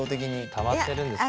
たまってるんですね。